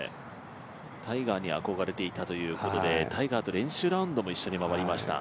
タイガーにあこがれていたということでタイガーと練習ラウンドも回りました。